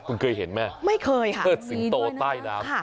คุณเคยเห็นไหมไม่เคยค่ะเทิดสิงโตใต้น้ำ